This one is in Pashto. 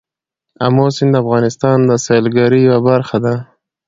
آمو سیند د افغانستان د سیلګرۍ یوه برخه ده.